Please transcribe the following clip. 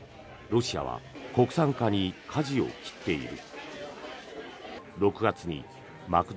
ロシアは国産化にかじを切っている。